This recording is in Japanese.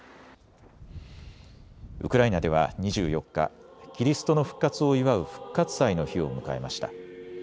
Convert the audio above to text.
ウクライナでは２４日、キリストの復活を祝う復活祭の日を迎えました。